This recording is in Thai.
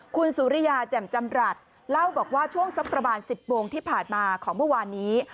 คุณสุริยาแจ่มจำรัฐเล่าบอกว่าช่วงสักประมาณ๑๐โมงที่ผ่านมาของเมื่อวานนี้